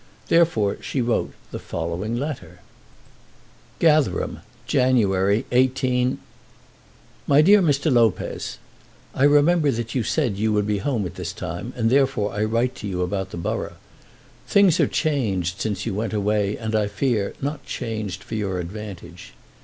Therefore she wrote the following letter: Gatherum, January, 18 . MY DEAR MR. LOPEZ, I remember that you said that you would be home at this time, and therefore I write to you about the borough. Things are changed since you went away, and, I fear, not changed for your advantage.